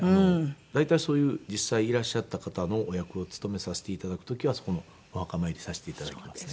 大体そういう実際いらっしゃった方のお役を勤めさせて頂く時はそこのお墓参りさせて頂きますね。